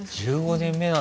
１５年目。